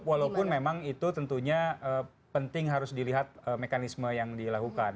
walaupun memang itu tentunya penting harus dilihat mekanisme yang dilakukan